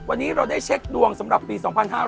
วันนี้เราได้เช็คดวงสำหรับปี๒๕๕๙